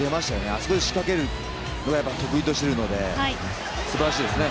あそこで仕掛けるのを得意としているので素晴らしいですね。